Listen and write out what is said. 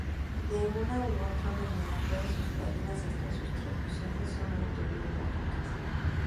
De una u otra manera, todas sus páginas, hasta sus traducciones, son autobiográficas.